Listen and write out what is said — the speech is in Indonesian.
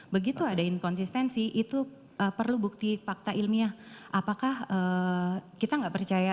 begitu ada inkonsistensi itu perlu bukti fakta ilmiah apakah kita nggak percaya